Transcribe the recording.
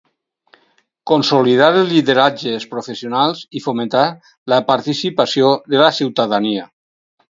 Consolidar els lideratges professionals i fomentar la participació de la ciutadania.